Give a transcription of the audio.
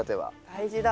大事だ。